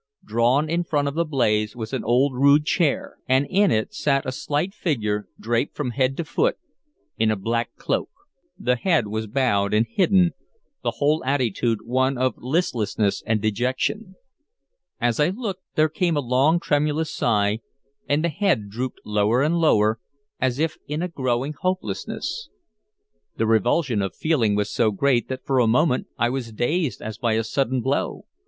Drawn in front of the blaze was an old rude chair, and in it sat a slight figure draped from head to foot in a black cloak. The head was bowed and hidden, the whole attitude one of listlessness and dejection. As I looked, there came a long tremulous sigh, and the head drooped lower and lower, as if in a growing hopelessness. The revulsion of feeling was so great that for the moment I was dazed as by a sudden blow.